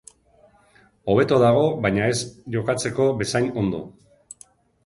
Hobeto dago baina ez jokatzeko bezain ondo.